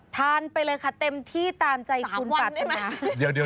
ทานไปเลยค่ะเต็มที่ตามใจคุณปัจจัย